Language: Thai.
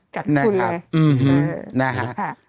จัดคุณเลยนะครับ